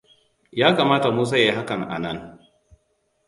Ya kamata Musa ya yi hakan anan.